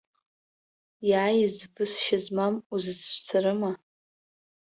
Иааиз высшьа змам узацәцарыма?